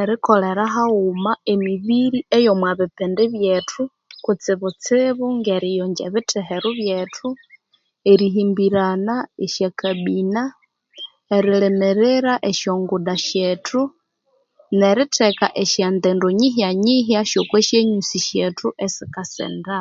Erikolera haghuma emibiri eyo mwa bipindi byethu kutsibu tsibu ngeriyonja ebitheheru byethu erihimbirana esya kabina erilimirira esyo nguda syethu neritheka esya ndindo nyihya nyihya syoko syanyusi syethu esikasenda